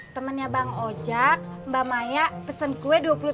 temennya bang ojek mbak maya pesen kue dua puluh tiga